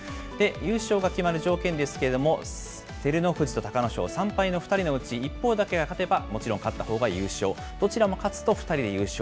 優勝が決まる条件ですけれども、照ノ富士と隆の勝、３敗の２人のうち一方だけが勝てば、もちろん勝ったほうが優勝。